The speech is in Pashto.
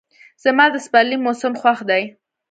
زما د سپرلي موسم خوښ دی.